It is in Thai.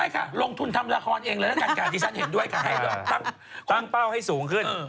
ใช่ค่ะลงทุนทำละครเองเลยละกันค่ะที่ฉันเห็นด้วยค่ะตั้งเป้าให้สูงขึ้น